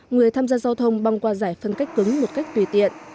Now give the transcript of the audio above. người tham gia giao thông băng qua giải phân cách cứng một cách tùy tiện